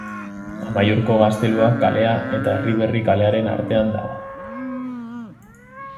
Amaiurko Gaztelua kalea eta Erriberri kalearen artean dago.